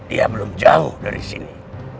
dia belum jauh dari sini